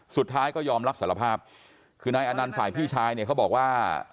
สุดท้ายก็ยอมรับสารภาพคือนายอนันต์ฝ่ายพี่ชายเนี่ยเขาบอกว่า